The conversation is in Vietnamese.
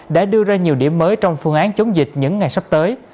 đã đưa ra nhiều điểm mới trong phương án chống dịch những ngày sắp tới